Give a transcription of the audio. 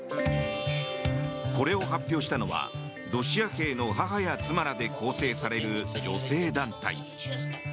これを発表したのはロシア兵の母や妻らで構成される女性団体。